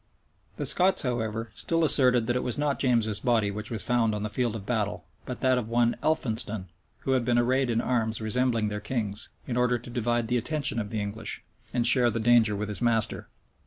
The Scots, however, still asserted that it was not James's body which was found on the field of battle, but that of one Elphinston, who had been arrayed in arms resembling their king's, in order to divide the attention of the English, and share the danger with his master.